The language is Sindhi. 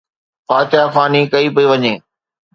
فاتحه خواني ڪئي پئي وڃي